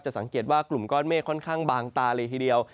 สังเกตว่ากลุ่มก้อนเมฆค่อนข้างบางตาเลยทีเดียว